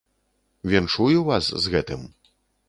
Віншую вас з гэтым!